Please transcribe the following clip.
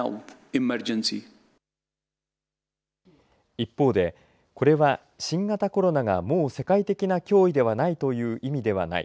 一方でこれは新型コロナがもう世界的な脅威ではないという意味ではない。